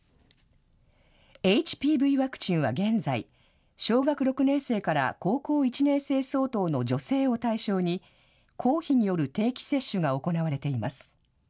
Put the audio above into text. ＨＰＶワクチンは現在、小学６年生から高校１年生相当の女性を対象に、公費による定期接種が行われています。